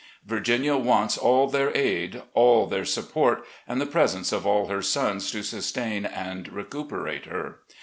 Virginia wants all their aid, all their support, and the presence of all her sons to sustain and recuperate her.